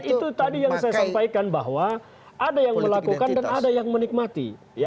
itu tadi yang saya sampaikan bahwa ada yang melakukan dan ada yang menikmati